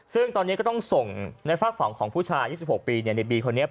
ซึ่งตอนนี้ก็ต้องส่งในฝากฝั่งของผู้ชาย๒๖ปีในบีคนนี้